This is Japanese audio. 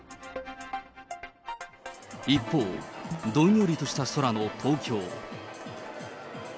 一方、どんよりとした空の東京。